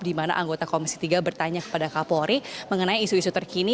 di mana anggota komisi tiga bertanya kepada kapolri mengenai isu isu terkini